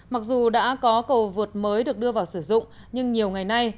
mặc dù đã có cầu vượt mới được đưa vào sử dụng nhưng nhiều ngày nay